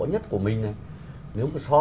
nhất của mình này nếu mà so